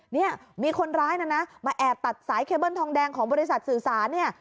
เนี่ยมีคนร้ายนะนะมาแอบตัดสายเคเบิ้ลทองแดงของบริษัทสื่อสารเนี่ย